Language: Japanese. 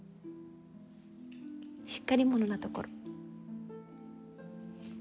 しっかり者なところ。